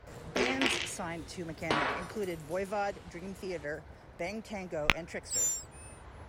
Bands signed to Mechanic included Voivod, Dream Theater, Bang Tango, and Trixter.